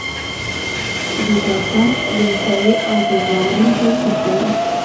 ډیټا سایننس د احصایې او پروګرامینګ ترکیب دی.